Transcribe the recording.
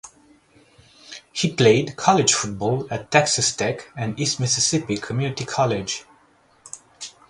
He played college football at Texas Tech and East Mississippi Community College.